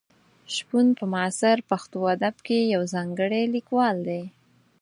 شپون په معاصر پښتو ادب کې یو ځانګړی لیکوال دی.